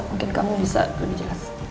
mungkin kamu bisa lebih jelas